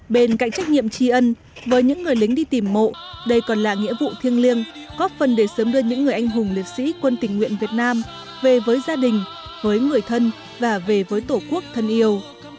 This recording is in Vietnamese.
bên cạnh trách nhiệm tri ân với những người lính đi tìm mộ đây còn là nghĩa vụ thiêng liêng góp phần để sớm đưa những người anh hùng liệt sĩ quân tình nguyện việt nam về với gia đình với người thân và về với tổ quốc thân yêu